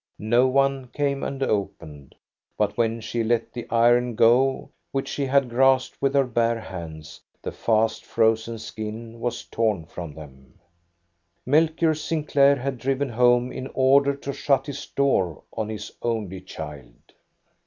No one came and opened, but when she let the iron go, which she had grasped with her bare hands, the fast frozen skin was torn from them. Melchior Sinclair had driven home in order to shut his door on his only child.